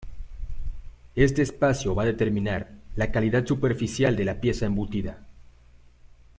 Este espacio va a determinar la calidad superficial de la pieza embutida.